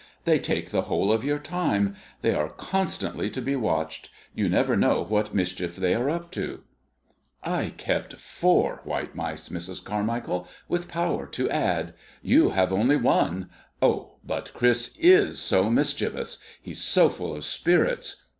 They take the whole of your time they are constantly to be watched you never know what mischief they are up to." "I kept four white mice, Mrs. Carmichael, with power to add. You have only one " "Oh, but Chris is so mischievous! He's so full of spirits.